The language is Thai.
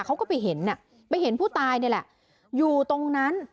เขาก็ไปเห็นน่ะไปเห็นผู้ตายนี่แหละอยู่ตรงนั้น